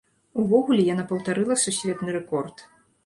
Увогуле, яна паўтарыла сусветны рэкорд.